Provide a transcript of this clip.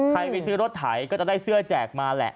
ไปซื้อรถไถก็จะได้เสื้อแจกมาแหละ